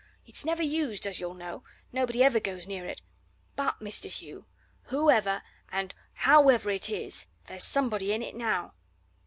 It's never used, as you'll know nobody ever goes near it; but, Mr. Hugh, whoever and however it is, there's somebody in it now!"